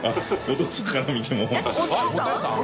お父さん？